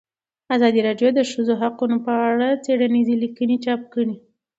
ازادي راډیو د د ښځو حقونه په اړه څېړنیزې لیکنې چاپ کړي.